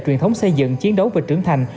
truyền thống xây dựng chiến đấu về trưởng thành